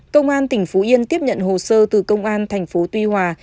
công an tỉnh phú yên tiếp nhận hồ sơ từ công an thành phố tuy hòa